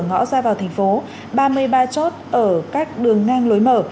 ngõ ra vào thành phố ba mươi ba chốt ở các đường ngang lối mở